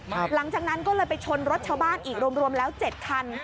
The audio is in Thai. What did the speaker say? หลังจากนั้นก็เลยไปชนรถชาวบ้านอีกรวมรวมแล้วเจ็ดคัน